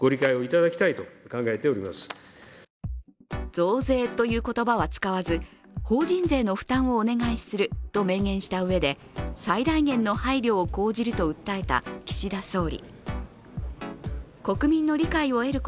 増税という言葉は使わず、法人税の負担をお願いすると明言したうえで、最大限の配慮を講じると訴えた岸田総理。